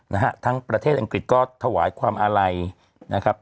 นะฮะทั้งประเทศอังกฤษก็ถวายความอาลัยนะครับ